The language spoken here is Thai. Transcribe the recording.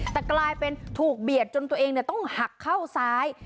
แต่กลายเป็นถูกเบียดจนตัวเองต้องหักเข้าซ้าย